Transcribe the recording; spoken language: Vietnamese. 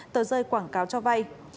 tờ rơi quảng cáo cho vay